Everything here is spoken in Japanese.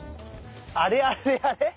あれあれあれ？